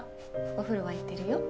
お風呂わいてるよ。